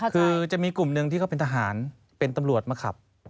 คือจะมีกลุ่มหนึ่งที่เขาเป็นทหารเป็นตำรวจมาขับ